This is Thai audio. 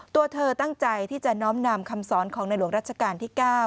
ตัวเธอตั้งใจที่จะน้อมนำคำสอนของในหลวงรัชกาลที่๙